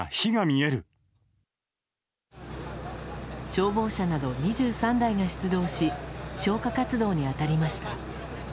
消防車など２３台が出動し消火活動に当たりました。